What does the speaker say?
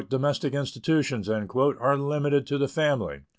"Domestic institutions" are limited to the family.